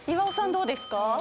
どうですか？